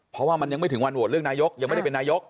เพราะว่ามันยังไม่ถึงวันโหวตเลือกนายกยังไม่ได้เป็นนายก